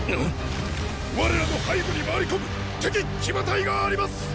我らの背後に回り込む敵騎馬隊があります！